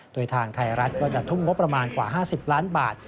โดยทางไทยรัฐก็จะทุ่มงบประมาณกว่า๕๐ล้านบาท